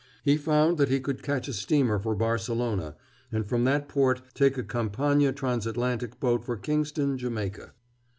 He found that he could catch a steamer for Barcelona, and from that port take a Campania Transatlantic boat for Kingston, Jamaica.